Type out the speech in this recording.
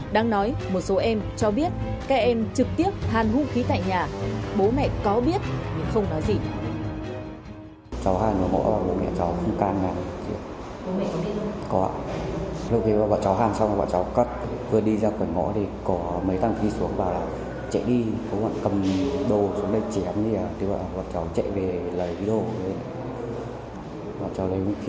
đang nói một số em cho biết các em trực tiếp than hung khí tại nhà